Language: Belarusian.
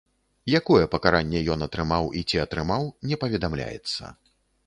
Якое пакаранне ён атрымаў і ці атрымаў, не паведамляецца.